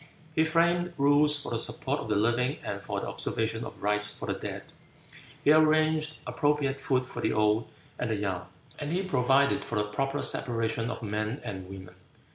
He framed rules for the support of the living, and for the observation of rites for the dead; he arranged appropriate food for the old and the young; and he provided for the proper separation of men and women.